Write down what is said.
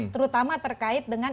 terutama terkait dengan